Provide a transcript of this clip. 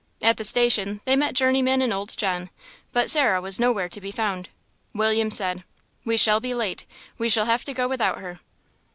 At the station they met Journeyman and old John, but Sarah was nowhere to be found. William said "We shall be late; we shall have to go without her."